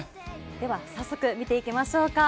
では早速見ていきましょうか。